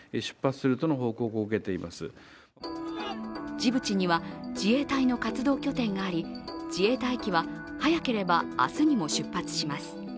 ジブチには自衛隊の活動拠点があり、自衛隊機は、早ければ明日にも出発します。